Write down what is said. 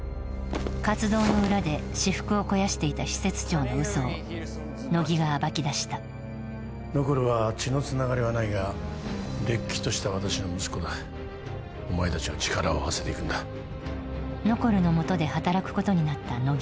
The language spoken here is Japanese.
活動の裏で私腹を肥やしていた施設長のうそを乃木が暴き出したノコルは血のつながりはないがれっきとした私の息子だお前たちは力を合わせていくんだノコルの元で働くことになった乃木だったが